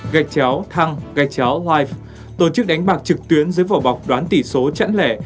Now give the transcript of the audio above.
gạch chéo thăng gạch chéo wife tổ chức đánh bạc trực tuyến dưới vỏ bọc đoán tỷ số chẵn lẻ